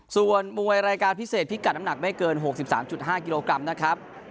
ส่วนมวยรายการพิเศษพิกัดน้ำหนักไม่เกิน๖๓๕กิโลกรัมนะครับ